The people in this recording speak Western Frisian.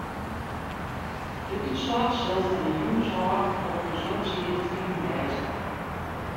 De útslach sil fan 'e jûns ôf op ús website te finen wêze.